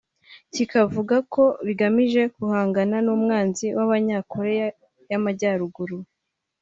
kikavuga ko bigamije guhangana n’umwanzi w’Abanya-Korea y’Amajyaruguru